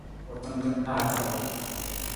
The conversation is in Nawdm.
U tangkang paata ruu.